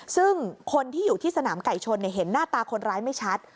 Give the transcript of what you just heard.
ซึ่งคนที่อยู่ที่สนามไก่ชนเห็นหน้าตาคนร้ายไม่ชัด